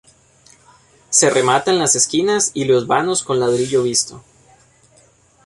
Se rematan las esquinas y los vanos con ladrillo visto.